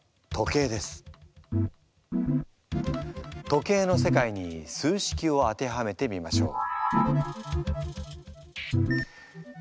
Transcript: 時計の世界に数式を当てはめてみましょう。